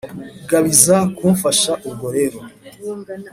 ga bifuza kumfasha Ubwo rero